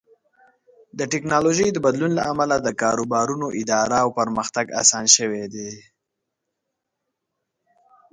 د ټکنالوژۍ د بدلون له امله د کاروبارونو اداره او پرمختګ اسان شوی دی.